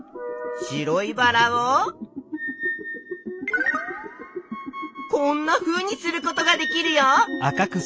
白いバラをこんなふうにすることができるよ！